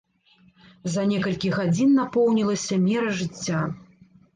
За некалькі гадзін напоўнілася мера жыцця.